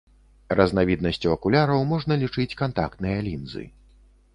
Разнавіднасцю акуляраў можна лічыць кантактныя лінзы.